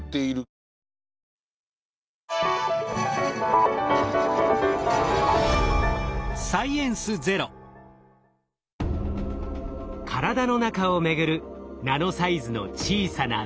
体の中を巡るナノサイズの小さな乗り物。